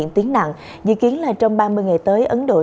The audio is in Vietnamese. trên địa bàn